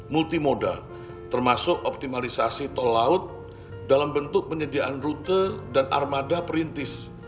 multimoda termasuk optimalisasi tol laut dalam bentuk penyediaan rute dan armada perintis